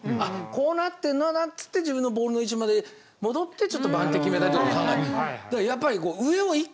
こうなってるんだなっつって自分のボールの位置まで戻ってちょっと番手決めたりとか考える。